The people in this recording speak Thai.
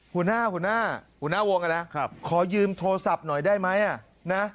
หัวหน้าหัวหน้าหัวหน้าวงขอยืมโทรศัพท์หน่อยได้ไหมอ่ะนะ